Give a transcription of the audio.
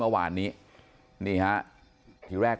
สวัสดีครับ